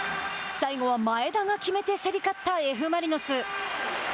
最後は前田が決めて競り勝ったＦ・マリノス。